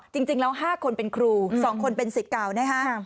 จริงแล้ว๕คนเป็นครู๒คนเป็นสิทธิ์เก่านะฮะ